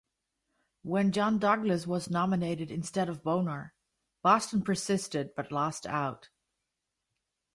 When John Douglas was nominated instead of Bonar, Boston persisted, but lost out.